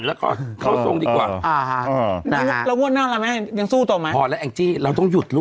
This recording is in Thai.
แล้วก็เทาทรงดีกว่าหนังเมืองก็ต้องไฟ